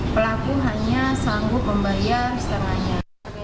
pelaku hanya sanggup membayar setengahnya